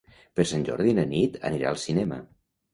Per Sant Jordi na Nit anirà al cinema.